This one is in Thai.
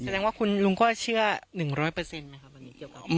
แสดงว่าคุณลุงก็เชื่อ๑๐๐บางทีมั้ยครับ